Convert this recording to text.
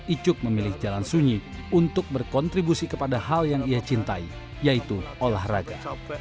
icuk memilih jalan sunyi untuk berkontribusi kepada hal yang ia cintai yaitu olahraga